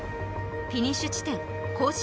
フィニッシュ地点、弘進